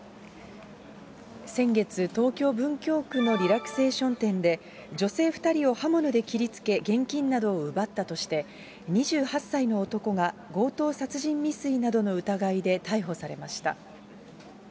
先月、東京・文京区のリラクゼーション店で、女性２人を刃物で切りつけ、現金などを奪ったとして、２８歳の男が、強盗殺人未遂などの疑いで逮捕されました。